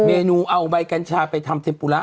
เมนูเอาใบกัญชาไปทำเทมปูระ